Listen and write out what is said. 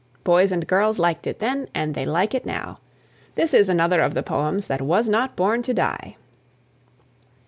Boys and girls liked it then and they like it now. This is another of the poems that was not born to die.